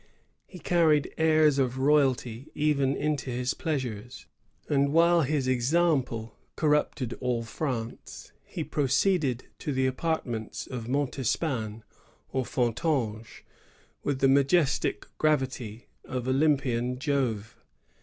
He carried aiis of royalty even into his pleasures; and while his example corrupted all France, he proceeded to the apartments of Montespan or Fontanges with the majestic gravity of Oljonpian Jove.